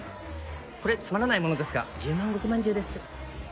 これつまらないものですが十万石まんじゅうです